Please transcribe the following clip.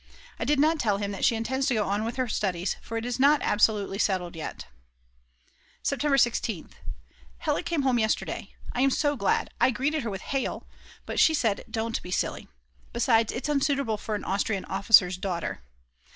I did not tell him that she intends to go on with her studies, for it is not absolutely settled yet. September 16th. Hella came home yesterday; I am so glad; I greeted her with: Hail! but she said; "don't be silly," besides, it's unsuitable for an Austrian officer's daughter!!!